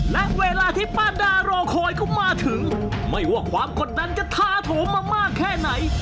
และเวลาที่ป้าดารอคอยก็มาถึงไม่ว่าความกดดันจะท้าโถมมามากแค่ไหน